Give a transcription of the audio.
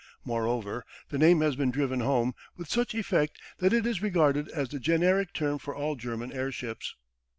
Moreover, the name has been driven home with such effect that it is regarded as the generic term for all German airships.